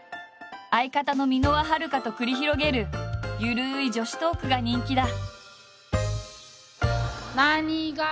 相方の箕輪はるかと繰り広げる緩い女子トークが人気だ。